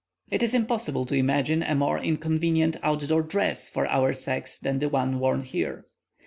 It is impossible to imagine a more inconvenient out door dress for our sex than the one worn here.